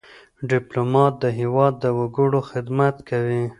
ډيپلومات د هېواد د وګړو خدمت کوي.